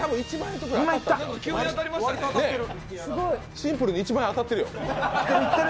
シンプルに１万円当たってるよ。